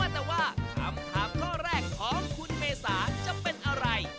แต่ว่าคำถามข้อแรกของคุณเมษาจะเป็นอะไร